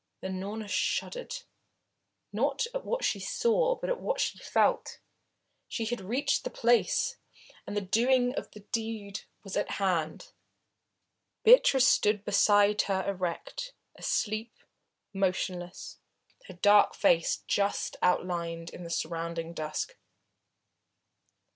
Unorna shuddered, not at what she saw, but at what she felt. She had reached the place, and the doing of the deed was at hand. Beatrice stood beside her erect, asleep, motionless, her dark face just outlined in the surrounding dusk.